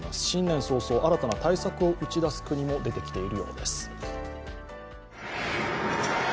新年早々、新たな対策を打ち出す国も出てきているようです。